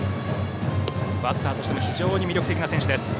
バッターとしても非常に魅力的な選手。